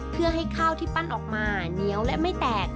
เพื่อให้ข้าวที่ปั้นออกมาเหนียวและไม่แตก